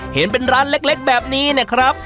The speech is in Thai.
เห็นเป็นร้านเล็กแบบนี้เนี่ยครับ